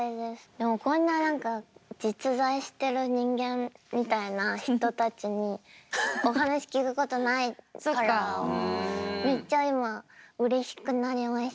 でもこんな実在してる人間みたいな人たちにお話聞くことないからめっちゃ今うれしくなりました。